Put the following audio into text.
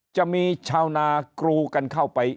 จะมีชาวนากรูกันเข้าไป